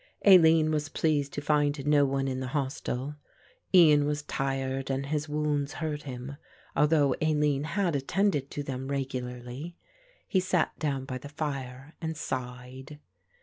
Aline was pleased to find no one in the hostel. Ian was tired and his wounds hurt him, although Aline had attended to them regularly. He sat down by the fire and sighed.